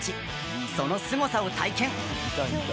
そのすごさを体験。